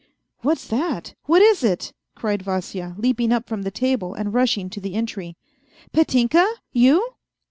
" What's that ? What is it ?" cried Vasya, leaping up from the table and rushing to the entry, " Petinka, you